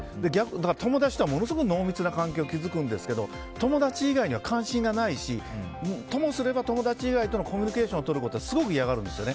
友達とはすごい濃密な関係を築くんですけど友達以外には関心はないしコミュニケーションをとることをすごく嫌がるんですよね。